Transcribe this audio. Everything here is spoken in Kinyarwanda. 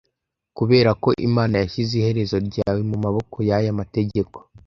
kuberako imana yashyize iherezo ryawe mumaboko yaya mategeko